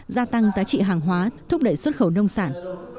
gia tăng giá trị hàng hóa thúc đẩy xuất khẩu nông sản